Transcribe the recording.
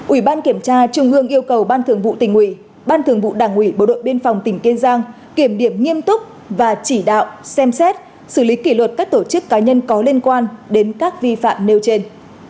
ủy ban kiểm tra trung ương yêu cầu ban thường vụ tỉnh ủy ban thường vụ đảng ủy bộ đội biên phòng tỉnh kiên giang kiểm điểm nghiêm túc và chỉ đạo xem xét xử lý kỷ luật các tổ chức cá nhân có liên quan đến các vi phạm nêu trên